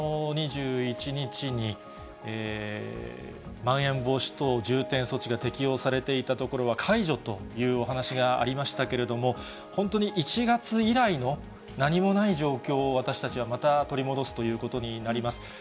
２１日に、まん延防止等重点措置が適用されていた所は解除というお話がありましたけれども、本当に１月以来の何もない状況を、私たちはまた取り戻すということになります。